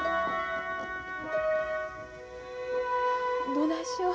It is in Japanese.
どないしょ。